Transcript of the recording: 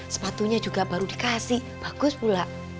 sepatunya juga baru dikasih bagus pula